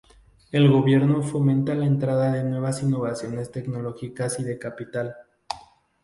El gobierno fomenta la entrada de nuevas innovaciones tecnológicas y de capital.